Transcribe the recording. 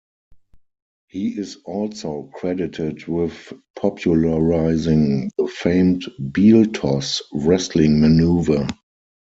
He is also credited with popularizing the famed 'Beell Toss' wrestling maneuver.